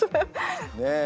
ねえ。